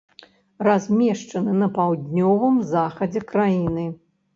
Размешчаны на паўднёвым захадзе краіны.